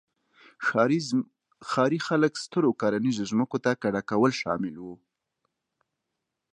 ښاري خلک سترو کرنیزو ځمکو ته کډه کول شامل وو